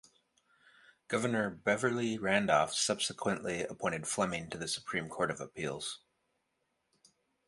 Governor Beverley Randolph subsequently appointed Fleming to the Supreme Court of Appeals.